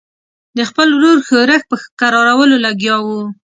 د خپل ورور ښورښ په کرارولو لګیا وو.